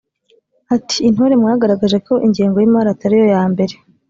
ati“Intore mwagaragaje ko ingengo y’imari atari yo ya mbere